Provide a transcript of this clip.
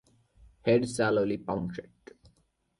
Head shallowly punctate.